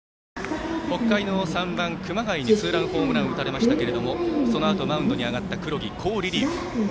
北海の３番、熊谷にツーランホームランを打たれましたけれどもそのあと、マウンドに上がった黒木、好リリーフ。